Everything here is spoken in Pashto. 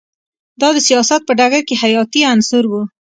دا د سیاست په ډګر کې حیاتی عنصر و